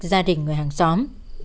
gia đình người hàng xóm